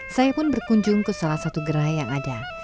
saya pun berkunjung ke salah satu gerai yang ada